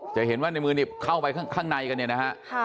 จะเห็นว่าในมือนี้เข้าไปข้างในกันเนี่ยนะฮะ